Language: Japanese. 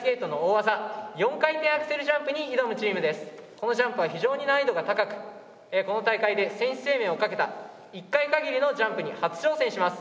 このジャンプは非常に難易度が高くこの大会で選手生命を懸けた１回かぎりのジャンプに初挑戦します。